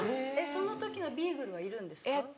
・その時のビーグルはいるんですか？